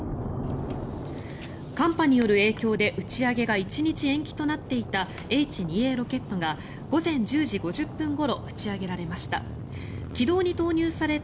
寒波による影響で打ち上げが１日延期となっていたＨ２Ａロケットが午前１０時５０分ごろ打ち上げられました。